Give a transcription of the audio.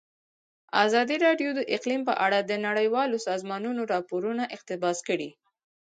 ازادي راډیو د اقلیم په اړه د نړیوالو سازمانونو راپورونه اقتباس کړي.